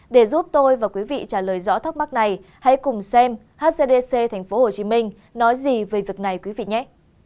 để giúp tôi và quý vị trả lời rõ thắc mắc này hãy cùng xem hcdc tp hcm nói gì về việc này quý vị nhé